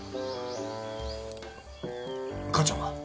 母ちゃんは？